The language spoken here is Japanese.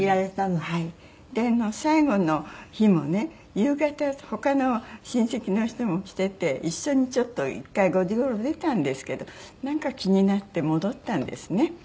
夕方他の親戚の人も来てて一緒にちょっと１回５時頃出たんですけどなんか気になって戻ったんですね。